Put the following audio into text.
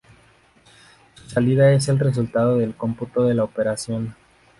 Su salida es el resultado del cómputo de la operación.